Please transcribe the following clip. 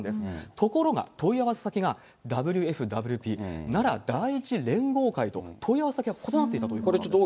ところが、問い合わせ先がＷＦＷＰ奈良第１連合会と、問い合わせ先が異なっていたということなんです。